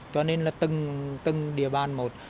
cho nên là từng địa bàn một